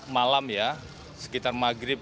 malam ya sekitar maghrib